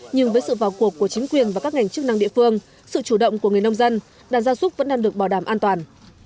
nhưng với sự vào cuộc của chính quyền và các ngành chức năng địa phương sự chủ động của người nông dân đàn gia súc vẫn đang được bảo đảm an toàn